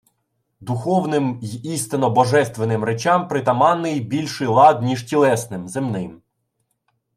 Духовним й істинно Божественним речам притаманний більший лад, ніж тілесним, земним.